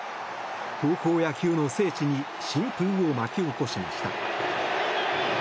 高校野球の聖地に新風を巻き起こしました。